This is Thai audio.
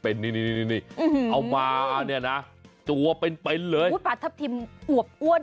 เอามาตั่วเป็นพลาดทับทิมอ้วนตัวใหญ่